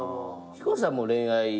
ヒコさんも恋愛。